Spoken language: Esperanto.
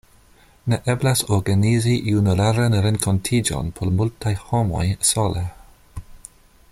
Ne eblas organizi junularan renkontiĝon por multaj homoj sole.